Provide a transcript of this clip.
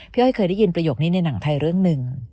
อ้อยเคยได้ยินประโยคนี้ในหนังไทยเรื่องหนึ่ง